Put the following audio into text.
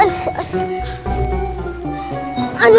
aduh sakit aduh